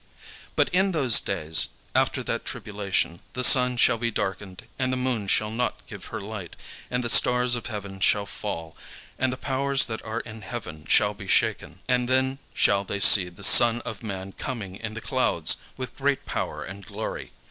"But in those days, after that tribulation, the sun shall be darkened, and the moon shall not give her light, and the stars of heaven shall fall, and the powers that are in heaven shall be shaken. And then shall they see the Son of man coming in the clouds with great power and glory.